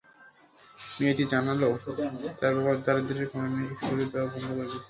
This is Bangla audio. মেয়েটি জানাল, তার বাবা দারিদ্র্যের কারণে স্কুলে যাওয়া বন্ধ করে দিয়েছেন।